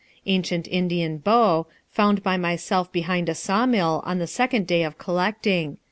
Ancient Indian bow, found by myself behind a sawmill on the second day of collecting.